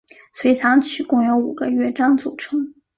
随想曲共有五个乐章组成。